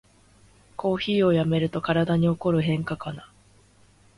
コーヒーをやめると体に起こる変化かな